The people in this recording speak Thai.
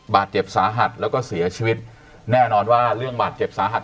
บาดเจ็บสาหัสแล้วก็เสียชีวิตแน่นอนว่าเรื่องบาดเจ็บสาหัส